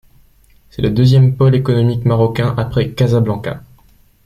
C'est le deuxième pôle économique marocain après Casablanca.